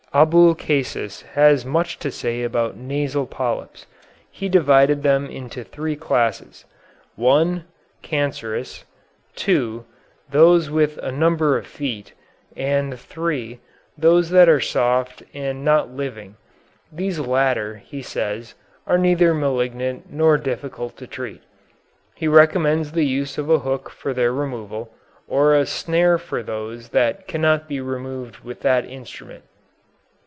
Abulcasis has much to say about nasal polyps. He divided them into three classes: (1) cancerous, (2) those with a number of feet, and (3) those that are soft and not living, these latter, he says, are neither malignant nor difficult to treat. He recommends the use of a hook for their removal, or a snare for those that cannot be removed with that instrument.